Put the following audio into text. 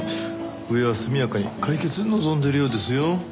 上は速やかに解決を望んでるようですよ。